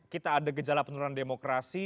kita ada gejala penurunan demokrasi